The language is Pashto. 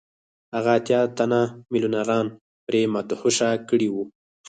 هغه اتیا تنه میلیونران پرې مدهوشه کړي وو